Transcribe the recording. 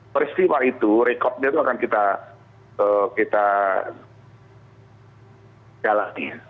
peristiwa itu rekodnya itu akan kita jalani